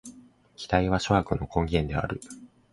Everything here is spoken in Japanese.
期待は諸悪の根源である。